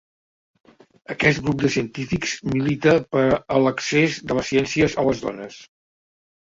Aquest grup de científics milita per a l'accés de les ciències a les dones.